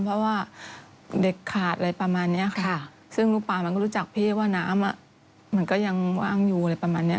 เพราะว่าเด็กขาดอะไรประมาณนี้ค่ะซึ่งลูกปลามันก็รู้จักพี่ว่าน้ำมันก็ยังว่างอยู่อะไรประมาณเนี้ย